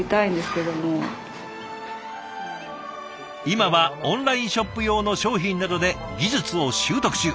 今はオンラインショップ用の商品などで技術を習得中。